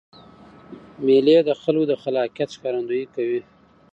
مېلې د خلکو د خلاقیت ښکارندویي کوي.